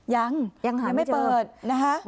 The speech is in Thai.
ยังไม่เจอนะครับ